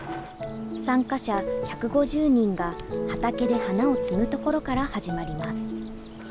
参加者１５０人が畑で花を摘むところから始まります。